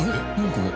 これ。